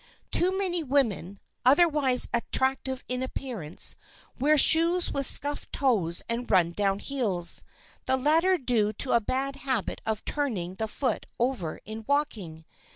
Too many women, otherwise attractive in appearance, wear shoes with scuffed toes and run down heels, the latter due to a bad habit of turning the foot over in walking.